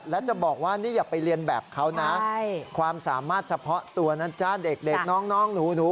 และจะบอกว่านี่อย่าไปเรียนแบบเขานะความสามารถเฉพาะตัวนะจ๊ะเด็กน้องหนู